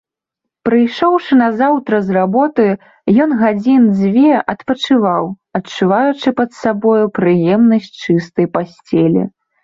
Прыйшоўшы назаўтра з работы, ён гадзін дзве адпачываў, адчуваючы пад сабою прыемнасць чыстай пасцелі.